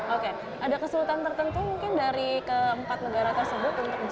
oke ada kesulitan tertentu mungkin dari keempat negara tersebut untuk bisa